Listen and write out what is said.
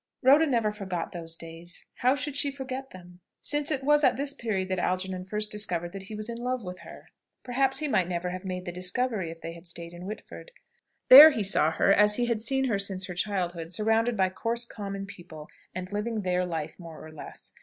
Rhoda never forgot those days. How should she forget them? since it was at this period that Algernon first discovered that he was in love with her. Perhaps he might never have made the discovery if they had all stayed at Whitford. There he saw her, as he had seen her since her childhood, surrounded by coarse common people, and living their life, more or less.